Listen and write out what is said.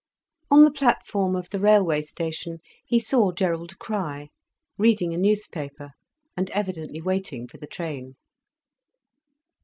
On the platform of the railway station he saw Gerald Crich, reading a newspaper, and evidently waiting for the train.